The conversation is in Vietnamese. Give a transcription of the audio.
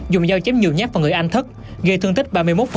dùng dao chém nhiều nhát vào người anh thất gây thương tích ba mươi một